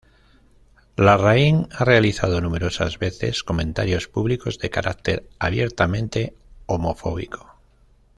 Larraín ha realizado numerosas veces comentarios públicos de carácter abiertamente homofóbico.